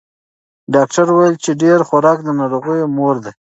ډاکتر ویل چې ډېر خوراک د ناروغیو مور ده.